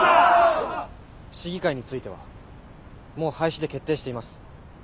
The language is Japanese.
市議会についてはもう廃止で決定しています。